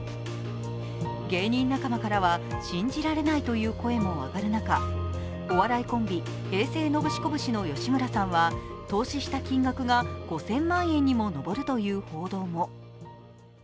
芸人仲間からは、信じられないという声も上がる中、お笑いコンビ平成ノブシコブシの吉村さんは投資した金額が５０００万円にも上るという報道も。